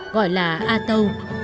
gọi là a tâu